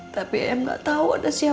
tapi em tidak tahu ada siapa